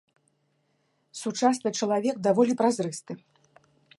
Сучасны чалавек даволі празрысты.